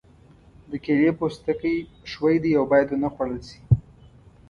د کیلې پوستکی ښوی دی او باید ونه خوړل شي.